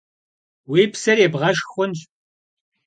Уи псэр ебгъэшх хъунщ.